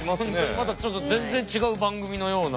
またちょっと全然違う番組のような。